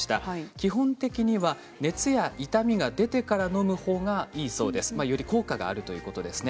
基本的には、熱や痛みが出てからのむほうがより効果があるということです。